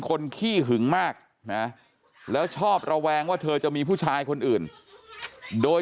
ขี้หึงมากนะแล้วชอบระแวงว่าเธอจะมีผู้ชายคนอื่นโดย